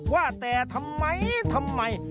ว่าแต่ทำไมทำไม